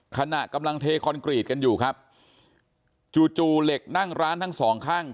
ขณะกำลังเทคอนกรีตกันอยู่ครับจู่จู่เหล็กนั่งร้านทั้งสองข้าง